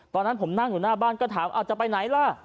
ตอนนั้นผมนั่งอยู่หน้าบ้านก็ถามจะไปไหนล่ะ